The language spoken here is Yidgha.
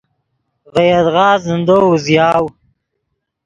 ڤے یدغا زندو اوزیاؤ.